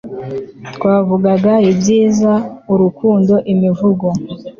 twavugaga ibyiza, urukundo, imivugo